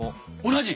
同じ？